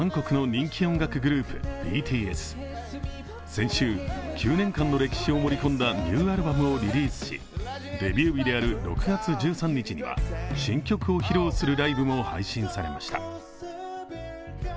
先週、９年間の歴史を盛り込んだニューアルバムをリリースしデビュー日である６月１３日には新曲を披露するライブも配信されました。